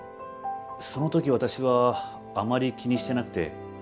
その時私はあまり気にしてなくて。